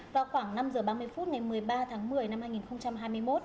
vào khoảng năm h ba mươi phút ngày một mươi ba tháng một mươi năm hai nghìn hai mươi một